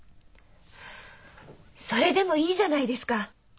それでもいいじゃないですか。